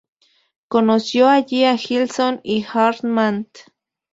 Conoció allí a Gilson y Hartmann.